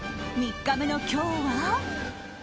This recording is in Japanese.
３日目の今日は。